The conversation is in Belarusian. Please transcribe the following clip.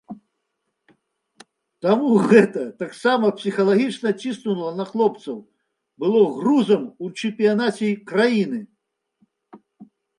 Таму гэта таксама псіхалагічна ціснула на хлопцаў, было грузам у чэмпіянаце краіны.